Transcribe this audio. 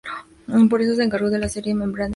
Por eso se encargó de la serie nombrada ¡Y ya está!